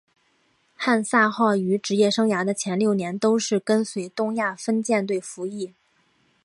汉萨号于职业生涯的前六年都是跟随东亚分舰队服役。